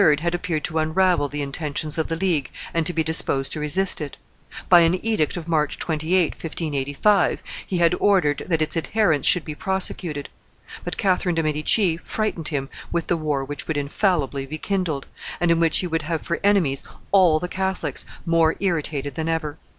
had appeared to unravel the intentions of the League and to be disposed to resist it; by an edict of March 28, 1585, he had ordered that its adherents should be prosecuted; but Catherine de' Medici frightened him with the war which would infallibly be kindled, and in which he would have for enemies all the Catholics, more irritated than ever.